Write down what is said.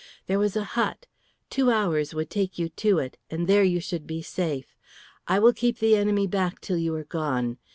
There was a hut; two hours would take you to it, and there you should be safe. I will keep the enemy back till you are gone.